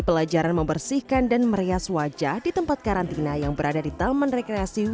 pelajaran membersihkan dan merias wajah di tempat karantina yang berada di taman rekreasi